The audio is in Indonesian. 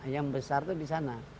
yang besar itu di sana